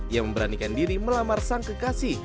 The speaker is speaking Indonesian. ia memberanikan diri melamar sang kekasih